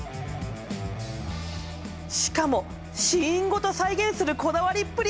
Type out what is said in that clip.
しかもシーンごと再現するこだわりっぷり。